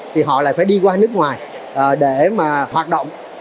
thì họ lại phải đi qua nước ngoài để mà hoạt động